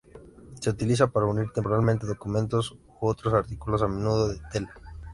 Se utiliza para unir temporalmente documentos u otros artículos, a menudo de tela.